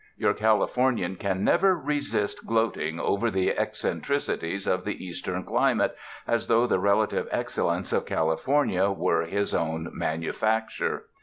Your Californian can never resist gloating over the eccentricities of the Eastern climate, as though the relative excellence of California were his own manufacture.